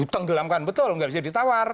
ditenggelamkan betul nggak bisa ditawar